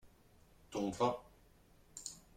ton vin.